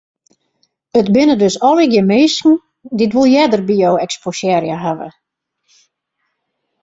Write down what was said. It binne dus allegear minsken dy't wol earder by jo eksposearre hawwe?